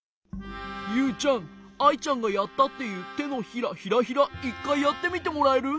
ユウちゃんアイちゃんがやったっていうてのひらヒラヒラ１かいやってみてもらえる？